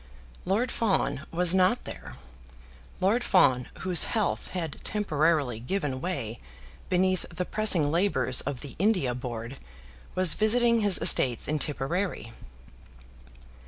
Lord Fawn was not there. Lord Fawn, whose health had temporarily given way beneath the pressing labours of the India Board, was visiting his estates in Tipperary.